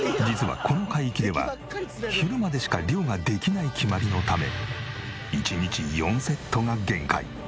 実はこの海域では昼までしか漁ができない決まりのため１日４セットが限界。